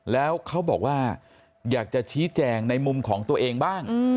แล้วเขาบอกว่าอยากจะชี้แจงในมุมของตัวเองบ้าง